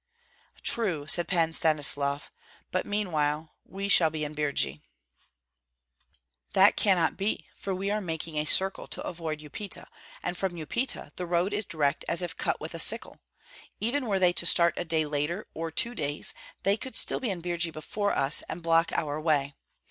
"True," said Pan Stanislav; "but meanwhile we shall be in Birji." "That cannot be, for we are making a circle to avoid Upita, and from Upita the road is direct as if cut with a sickle. Even were they to start a day later, or two days, they could still be in Birji before us, and block our way.